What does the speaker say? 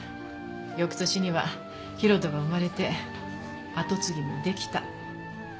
翌年には啓人が生まれて跡継ぎも出来た。